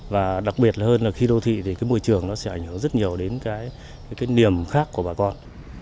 và đặc biệt là hơn là khi đô thị thì cái môi trường nó sẽ ảnh hưởng rất nhiều đến cái niềm khác của bà con